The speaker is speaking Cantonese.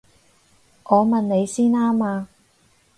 我問你先啱啊！